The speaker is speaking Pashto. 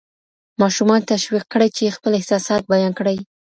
ماشومان تشویق کړئ چې خپل احساسات بیان کړي.